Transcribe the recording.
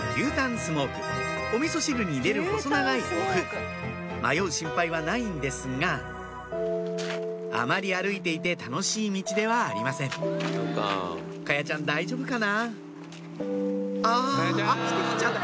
スモークおみそ汁に入れる細長いお麩迷う心配はないんですがあまり歩いていて楽しい道ではありません華彩ちゃん大丈夫かな？